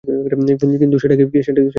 কিন্তু সেটা কীভাবে, জনি?